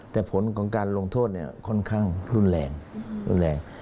แต่ผลของการลงโทษค่อนข้างรุนแรง